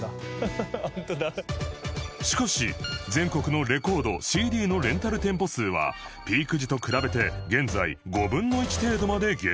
しかし全国のレコード・ ＣＤ のレンタル店舗数はピーク時と比べて現在５分の１程度まで減少